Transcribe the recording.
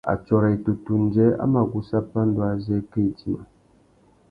Atsôra itutu undjê a mà gussa pandú azê kā idjima.